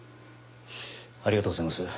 ありがとうございます。